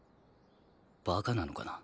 バカなのかな？